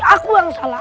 aku yang salah